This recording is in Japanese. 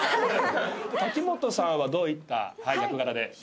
瀧本さんはどういった役柄で？